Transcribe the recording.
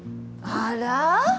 あら？